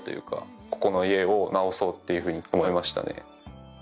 ここの家を直そうっていうふうに思いましたね。